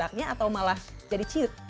atau malah jadi cute